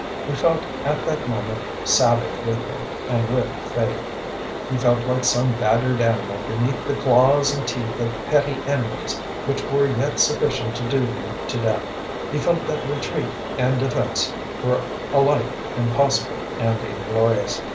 He felt at that moment savage with her and with fate. He felt like some badgered animal beneath the claws and teeth of petty enemies which were yet sufficient to do him to death. He felt that retreat and defence were alike impossible and inglorious.